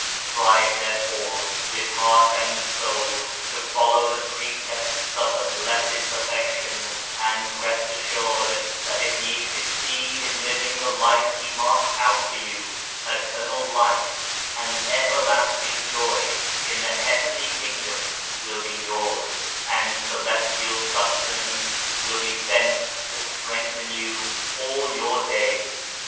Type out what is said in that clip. Strive there fore, with heart and soul, to follow the precepts of the Blessed Perfection, and rest assured that if ye succeed in living the life He marks out for you, Eternal Life and everlasting joy in the Heavenly Kingdom will be yours, and celestial sustenance will be sent to strengthen you all your days.